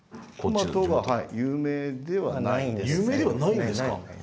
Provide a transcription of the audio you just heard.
有名ではないんですか。